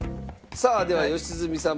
さあでは良純さん